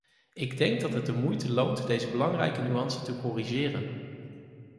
Ik denk dat het de moeite loont deze belangrijke nuance te corrigeren.